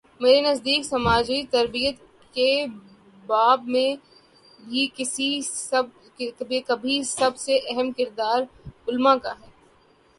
میرے نزدیک سماجی تربیت کے باب میں بھی سب سے اہم کردار علما کا ہے۔